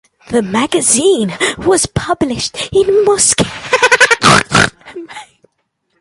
The magazine was published in Moscow.